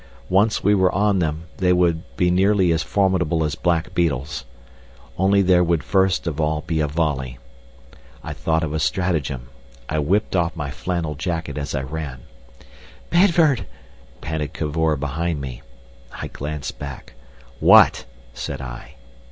Once we were on them, they would be nearly as formidable as black beetles. Only there would first of all be a volley. I thought of a stratagem. I whipped off my flannel jacket as I ran. "Bedford!" panted Cavor behind me. I glanced back. "What?" said I.